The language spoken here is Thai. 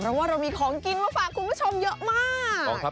เพราะว่าเรามีของกินมาฝากคุณผู้ชมเยอะมาก